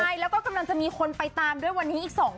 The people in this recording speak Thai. ใช่แล้วก็กำลังจะมีคนไปตามด้วยวันนี้อีก๒คน